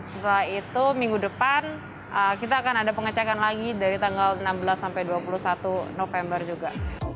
setelah itu minggu depan kita akan ada pengecekan lagi dari tanggal enam belas sampai dua puluh satu november juga